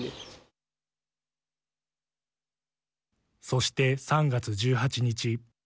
そして３月１８日。